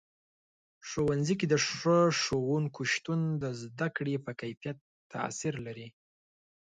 ښوونځي کې د ښه ښوونکو شتون د زده کړې په کیفیت تاثیر کوي.